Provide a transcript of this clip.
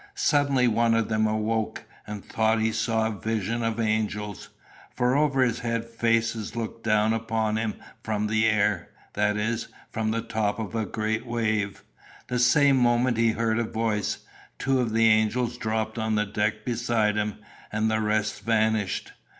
Suddenly one of them awoke, and thought he saw a vision of angels. For over his head faces looked down upon him from the air that is, from the top of a great wave. The same moment he heard a voice, two of the angels dropped on the deck beside him, and the rest vanished.